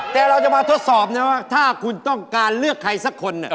แต่เราจะมาทดสอบนะว่าถ้าคุณต้องการเลือกใครสักคน